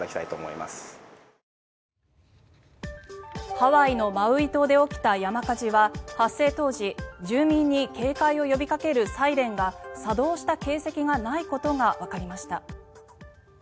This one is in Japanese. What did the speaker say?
ハワイのマウイ島で起きた山火事は発生当時、住民に警戒を呼びかけるサイレンが作動した形跡がないことがわかりました。